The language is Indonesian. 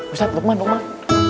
ustad lukman lukman